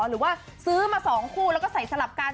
หรือว่าซื้อมา๒คู่แล้วก็ใส่สลับกัน